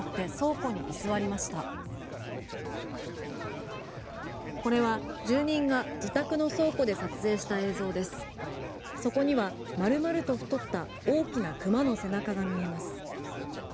そこには丸々と太った大きな熊の背中が見えます。